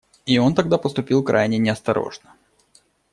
И он тогда поступил крайне неосторожно.